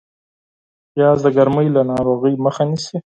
پیاز د ګرمۍ د ناروغیو مخه نیسي